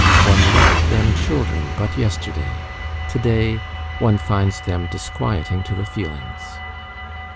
One left them children but yesterday; today, one finds them disquieting to the feelings.